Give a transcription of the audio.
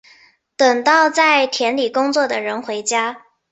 等到在田里工作的人回家